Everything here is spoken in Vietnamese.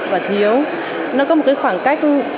và thiếu nó có một khoảng cách